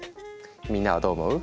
みんなはどう思う？